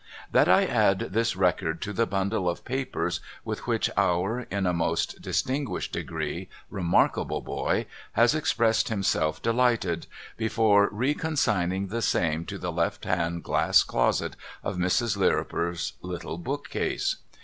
— that I add this record to the bundle of papers with which our, in a most dis tinguished degree, remarkable boy has expressed himself delighted, before reconsigning the same to the left hand glass closet of Mrs. Lirriper's little bookcase.